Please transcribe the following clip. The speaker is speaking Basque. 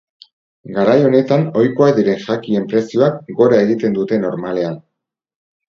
Garai honetan ohikoak diren jakien prezioek gora egiten dute normalean.